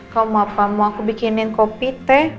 kamu apa mau aku bikinin kopi teh